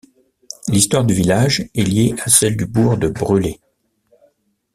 L'Histoire du village est liée à celle du bourg de Bruley.